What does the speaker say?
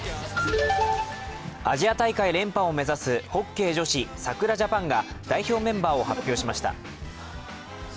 アジア大会連覇を目指すホッケー女子、さくらジャパンが代表メンバーを発表しました。